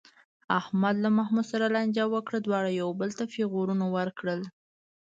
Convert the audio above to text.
احمد له محمود سره لانجه وکړه، دواړو یو بل ته پېغورونه ورکړل.